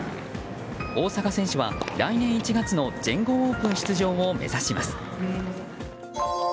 大坂選手は、来年１月の全豪オープン出場を目指します。